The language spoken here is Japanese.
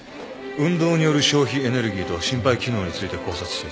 運動による消費エネルギーと心肺機能について考察していた。